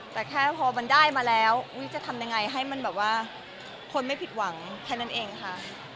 แต่แค่พอมันได้มาแล้วจะทำยังไงให้มันแบบว่าคนไม่ผิดหวังแค่นั้นเองค่ะ